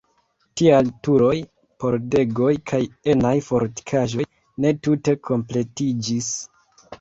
Tial turoj, pordegoj kaj enaj fortikaĵoj ne tute kompletiĝis.